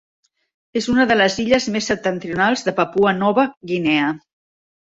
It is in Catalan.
És una de les illes més septentrionals de Papua Nova Guinea.